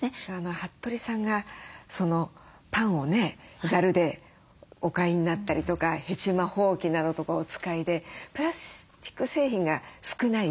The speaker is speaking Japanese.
服部さんがパンをねざるでお買いになったりとかヘチマほうきなどとかお使いでプラスチック製品が少ない。